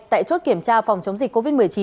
tại chốt kiểm tra phòng chống dịch covid một mươi chín